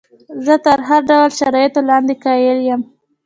زه تر هر ډول شرایطو لاندې قایل یم.